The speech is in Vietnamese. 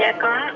dạ có ạ